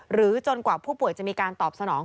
จนกว่าผู้ป่วยจะมีการตอบสนอง